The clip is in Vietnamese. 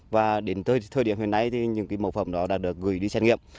và đến thời điểm hiện nay thì những mẫu phẩm đó đã được gửi đi xét nghiệm